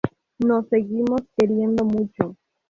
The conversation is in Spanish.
Nos seguimos queriendo mucho!